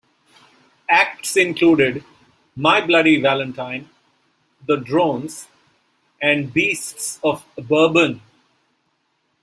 Acts included My Bloody Valentine, The Drones and Beasts of Bourbon.